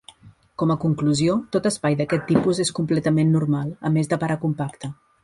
Com a conclusió, tot espai d'aquest tipus és completament normal, a més de paracompacte.